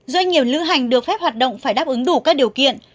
doanh nghiệp lữ hành được phép hoạt động phải đáp ứng đủ các điều kiện